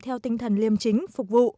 theo tinh thần liêm chính phục vụ